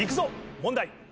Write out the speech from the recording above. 問題。